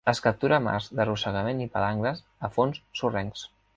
Es captura amb arts d'arrossegament i palangres a fons sorrencs.